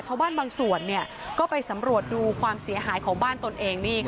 ชาวบ้านบางส่วนก็ไปสำรวจดูความเสียหายของบ้านตนเอง